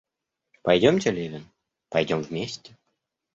Пойдемте, Левин, пойдем вместе!